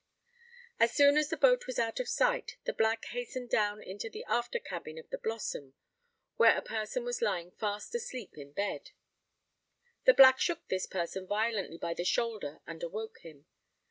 As soon as the boat was out of sight, the Black hastened down into the after cabin of the Blossom, where a person was lying fast asleep in bed. The Black shook this person violently by the shoulder, and awoke him.